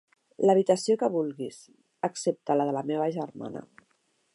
L'habitació que vulguis, excepte la de la meva germana.